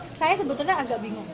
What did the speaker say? saya sebetulnya agak bingung